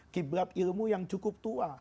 kiblat ilmu yang cukup tua